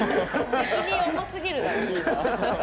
責任、重すぎるだろ。